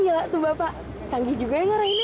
gila tuh bapak canggih juga ya ngerainnya